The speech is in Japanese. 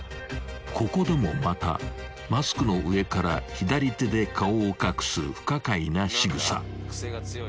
［ここでもまたマスクの上から左手で顔を隠す不可解なしぐさ］